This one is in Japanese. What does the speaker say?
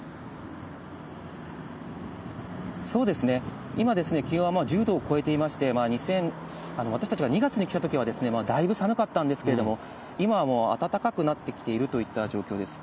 そうですね、今、気温は１０度を超えていまして、私たちが２月に来たときはだいぶ寒かったんですけれども、今はもう暖かくなってきているといった状況です。